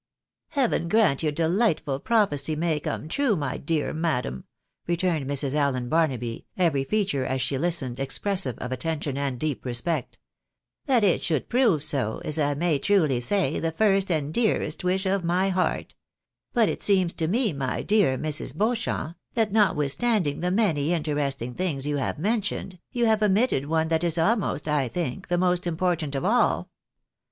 " Heaven grant your delightful prophecy may come true, my dear madam," returned Mrs. Allen Barnaby, every feature, as she listened, expressive of attention and deep respect. " That it should 86 THE BAENABYS IN AMERICA. prove SO, is, I may truly say, tlie first and dearest wish of my heart ! But it seems to me, my dear Mrs. Beauchamp, that not withstanding the many interesting things you have mentioned, you have omitted one that is ahnost, I think, the most important of all."